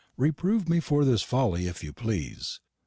Reproove me for this folley if you plese.